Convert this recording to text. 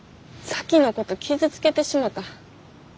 咲妃のこと傷つけてしもた。